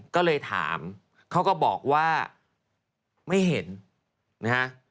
ก็เลยถามเขาก็บอกว่าไม่เห็นนะฮะ